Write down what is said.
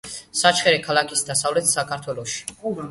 საჩხერე, ქალაქი დასავლეთ საქართველოში.